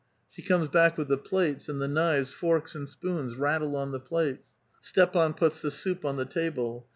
She comes back with the plates, and the knives, forks, and spoons rattle on the plates. St »pan puts the soup on the table.